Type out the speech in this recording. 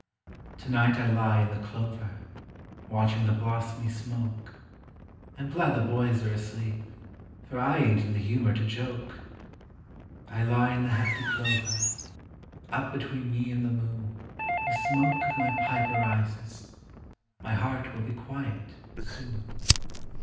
To night I lie in the clover, watching the blossomy smoke ; I 'm glad the boys are asleep, for I ain't in the humor to joke. I lie in the hefty clover: up between me and the moon The smoke of my pipe arises; my heart will be quiet, soon.